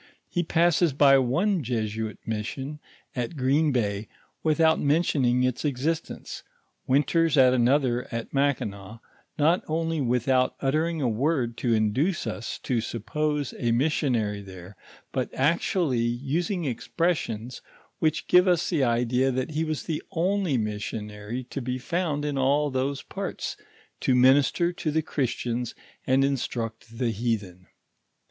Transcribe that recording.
He passes by one Jesuit mission at Green bay without mentioning its existence, winters at another at Mackinaw, not only without uttering a word to induce us to suppose a missionary there, but actually using expressions which give us the idea that he was the only missionary to be found in all those parts, to minister to the Christians and instruct the heathen.